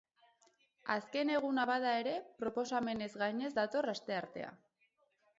Azken eguna bada ere, proposamenez gainez dator asteartea.